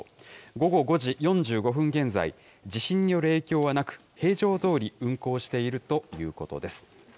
午後５時４５分現在、地震による影響はなく、平常どおり運航しているということです。